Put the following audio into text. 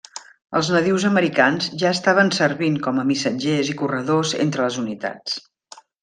Els nadius americans ja estaven servint com a missatgers i corredors entre les unitats.